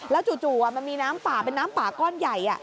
จู่มันมีน้ำป่าเป็นน้ำป่าก้อนใหญ่